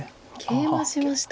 ケイマしました。